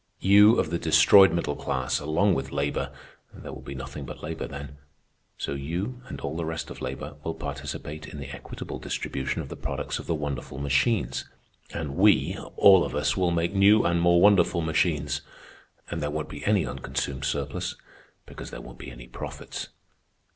You of the destroyed middle class, along with labor—there will be nothing but labor then; so you, and all the rest of labor, will participate in the equitable distribution of the products of the wonderful machines. And we, all of us, will make new and more wonderful machines. And there won't be any unconsumed surplus, because there won't be any profits."